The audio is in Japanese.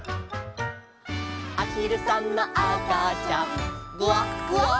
「あひるさんのあかちゃん」「グワグワ」